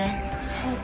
はい。